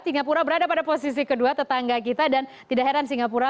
singapura berada pada posisi kedua tetangga kita dan tidak heran singapura